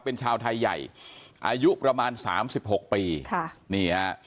เป็นชาวไทยใหญ่อายุประมาณสามสิบหกปีค่ะนี่ฮะ